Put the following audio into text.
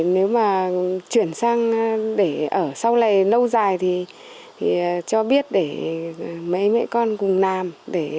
nếu mà chuyển sang để ở sau này lâu dài thì cho biết để mấy mấy con cùng làm để ở mãi mãi